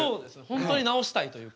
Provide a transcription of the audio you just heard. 本当に治したいというか。